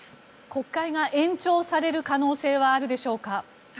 国会が延長される可能性はあるでしょうか？